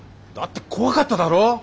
だって怖かっただろ？